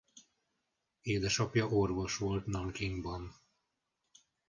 Édesapja orvos volt Nankingban.